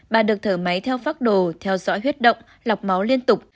bà được thở máy theo phác đồ theo dõi huyết động lọc máu liên tục